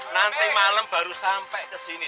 nanti malam baru sampai kesini